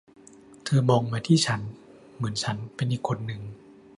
เธอมองมาที่ฉันเหมือนฉันเป็นอีกคนนึง